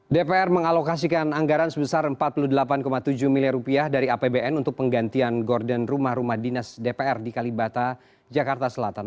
dpr mengalokasikan anggaran sebesar rp empat puluh delapan tujuh miliar rupiah dari apbn untuk penggantian gorden rumah rumah dinas dpr di kalibata jakarta selatan